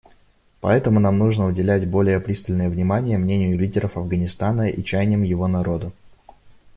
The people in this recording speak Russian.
Поэтому нам нужно уделять более пристальное внимание мнению лидеров Афганистана и чаяниям его народа.